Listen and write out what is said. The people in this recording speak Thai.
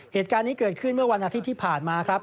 เหตุการณ์นี้เกิดขึ้นเมื่อวันอาทิตย์ที่ผ่านมาครับ